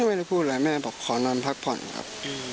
ไม่ได้พูดอะไรแม่บอกขอนอนพักผ่อนครับ